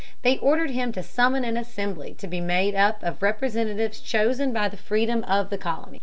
They ordered him to summon an assembly to be made up of representatives chosen by the freemen of the colony.